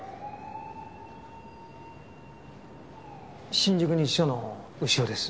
新宿西署の牛尾です。